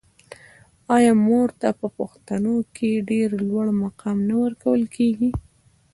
آیا مور ته په پښتنو کې ډیر لوړ مقام نه ورکول کیږي؟